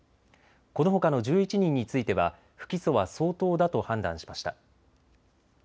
このほかの１１人については不起訴は相当だと判断しました。